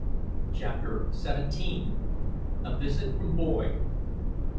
CHAPTER SEVENTEEN. A VISIT FROM BOYD.